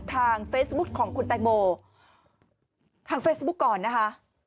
ทางเฟซบุ๊คของคุณแตงโมทางเฟซบุ๊คก่อนนะคะ